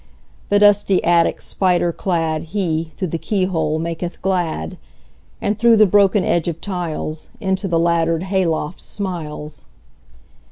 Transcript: The dusty attic spider cladHe, through the keyhole, maketh glad; And through the broken edge of tiles, Into the laddered hay loft smiles.